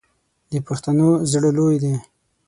د پښتنو زړه لوی دی.